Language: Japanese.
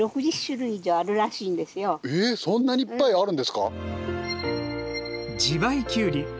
えっそんなにいっぱいあるんですか！？